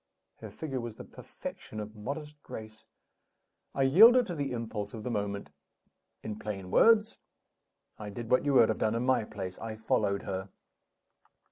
Her figure was the perfection of modest grace. I yielded to the impulse of the moment. In plain words, I did what you would have done, in my place I followed her.